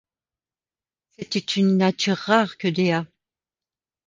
C’était une nature rare que Dea.